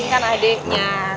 ini kan adeknya